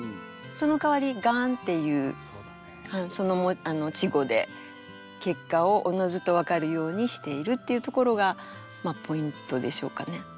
そのかわり「ガーン」っていうその稚語で結果をおのずと分かるようにしているっていうところがまあポイントでしょうかね。